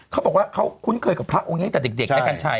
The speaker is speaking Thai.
เขาบอกว่าเขาคุ้นเคยกับพระองค์นี้ตั้งแต่เด็กนะกัญชัย